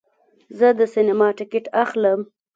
زه د سینما ټکټ اخلم.